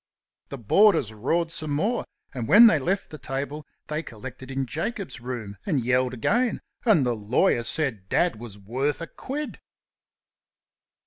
The boarders roared some more, and when they left the table they collected in Jacob's room, and yelled again, and the lawyer said Dad was "worth a quid."